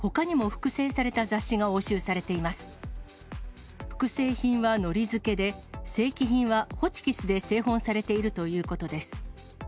複製品はのり付けで、正規品はホチキスで製本されているということです。